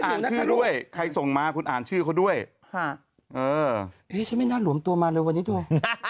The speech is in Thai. อ่านชื่อด้วยใครส่งมาคุณอ่านชื่อเขาด้วยฉันไม่น่าหลวมตัวมาเลยวันนี้ด้วย